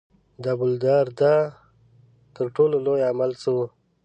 د ابوالدرداء تر ټولو لوی عمل څه و.